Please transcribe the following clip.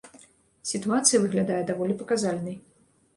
Сітуацыя выглядае даволі паказальнай.